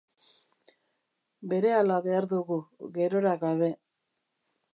Berehala behar dugu, gerora gabe.